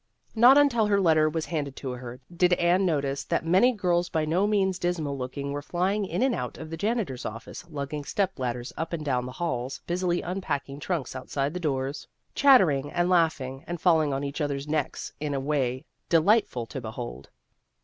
Not until her letter was handed to her, did Anne notice that many girls by no means dismal looking were flying in and out of the janitor's office, lugging step ladders up and down the halls, busily unpacking trunks outside doors, chattering and laugh ing and falling on each other's necks in a way delightful to behold.